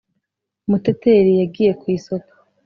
muteteri yagiye ku isoko